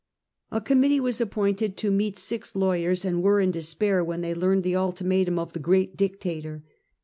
A committee was appointed to meet six lawyers, and were in despair when they learned the ultimatum of the great Dictator.